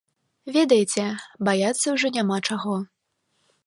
Ведаеце, баяцца ўжо няма чаго.